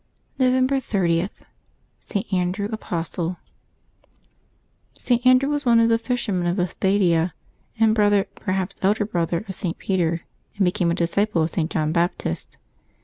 November 30.— ST. ANDREW, Apostle. [t. Andrew was one of the fishermen of Bethsaida, and brother, perhaps elder brother, of St. Peter, and became a disciple of St. John Baptist.